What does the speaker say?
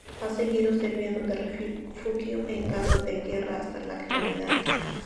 Ha seguido sirviendo de refugio en caso de guerra hasta la actualidad.